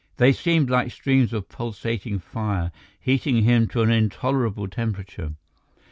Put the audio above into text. They seemed like streams of pulsating fire heating him to an intolerable temperature.